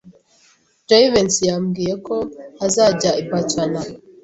Jivency yambwiye ko azajya i Boston.